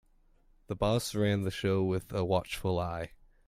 The boss ran the show with a watchful eye.